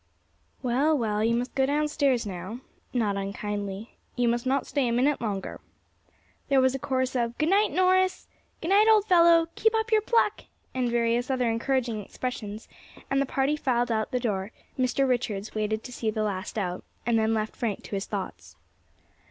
"Well, well, you must go downstairs now," not unkindly; "you must not stay a minute longer." There was a chorus of "Good night, Norris!" "Good night, old fellow!" "Keep up your pluck!" and various other encouraging expressions, and the party filed out of the door; Mr. Richards waited to see the last out, and then left Frank to his thoughts.